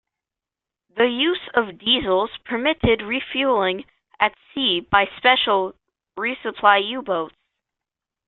The use of diesels permitted refueling at sea by special re-supply U-boats.